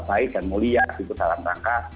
baik dan mulia gitu dalam rangka